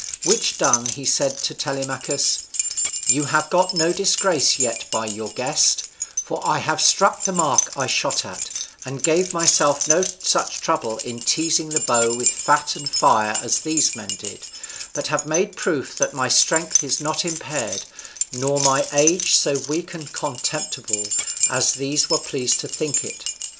Which done, he said to Telemachus, "You have got no disgrace yet by your guest, for I have struck the mark I shot at, and gave myself no such trouble in teasing the bow with fat and fire as these men did, but have made proof that my strength is not impaired, nor my age so weak and contemptible as these were pleased to think it.